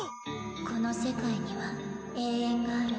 この世界には永遠がある。